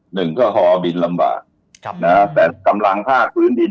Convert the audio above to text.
หนึ่งคือพอบินลำบากแต่กำลังฮาคพื้นดิน